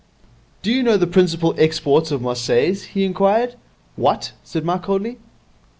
'Do you know the principal exports of Marseilles?' he inquired. 'What?' said Mike coldly.